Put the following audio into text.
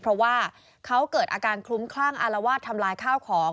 เพราะว่าเขาเกิดอาการคลุ้มคลั่งอารวาสทำลายข้าวของ